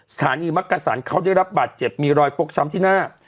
สถานีมักกษันเขาได้รับบาดเจ็บมีรอยฟกช้ำที่หน้า